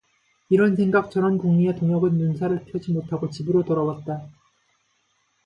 이런 생각 저런 궁리에 동혁은 눈살을 펴지 못하고 집으로 돌아왔다.